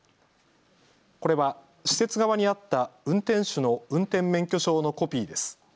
これは施設側にあった運転手の運転免許証のコピーです。